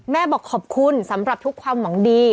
บอกขอบคุณสำหรับทุกความหวังดี